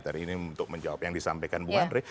tadi ini untuk menjawab yang disampaikan bung andre